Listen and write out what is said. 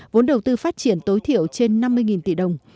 vốn đầu tư phát triển tối thiểu trên năm mươi tỷ đồng